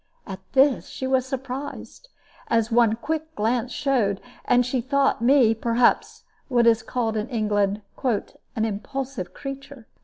At this she was surprised, as one quick glance showed; and she thought me, perhaps, what is called in England "an impulsive creature."